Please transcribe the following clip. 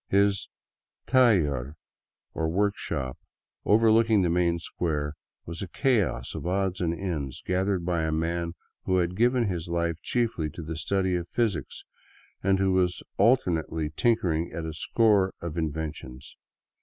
His taller, or workshop, overlooking the main square, was a chaos of odds and ends gathered by a man who had given his life chiefly to the study of physics, and who was alternately tinkering at a score of in ventions.